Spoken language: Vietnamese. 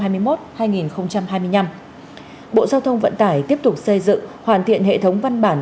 bộ giao thông vận tải tiếp tục xây dựng hoàn thiện hệ thống văn bản